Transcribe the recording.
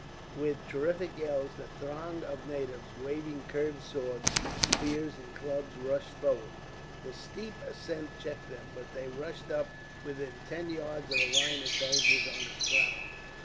With terrific yells the throng of natives, waving curved swords, spears, and clubs, rushed forward. The steep ascent checked them, but they rushed up until within ten yards of the line of soldiers on its brow.